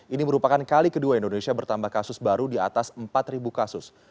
ini merupakan kali kedua indonesia bertambah kasus baru di atas empat kasus